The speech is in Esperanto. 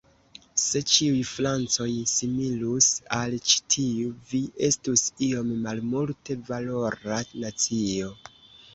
Se ĉiuj Francoj similus al ĉi tiu, vi estus iom malmulte-valora nacio.